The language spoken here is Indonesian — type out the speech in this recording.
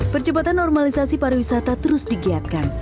percepatan normalisasi para wisata terus digiatkan